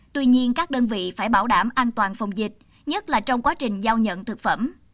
tuy nhiên các đơn vị phải bảo đảm an toàn phòng dịch nhất là trong quá trình giao nhận thực phẩm